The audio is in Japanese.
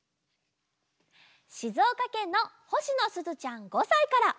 しずおかけんのほしのすずちゃん５さいから。